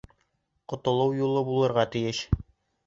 Ҡотолоу юлы булырға тейеш!